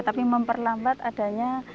tapi memperlambat adanya